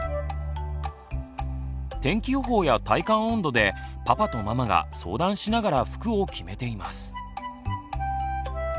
天気予報や体感温度でパパとママが相談しながら服を決めています。